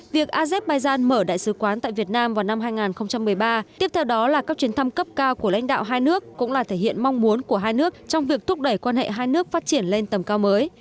việc azerbaijan mở đại sứ quán tại việt nam vào năm hai nghìn một mươi ba tiếp theo đó là các chuyến thăm cấp cao của lãnh đạo hai nước cũng là thể hiện mong muốn của hai nước trong việc thúc đẩy quan hệ hai nước phát triển lên tầm cao mới